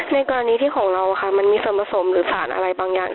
ในกรณีที่ของเราค่ะมันมีส่วนผสมหรือสารอะไรบางอย่าง